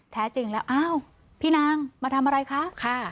แท้จริงแล้วอ้าวพี่นางมาทำอะไรคะ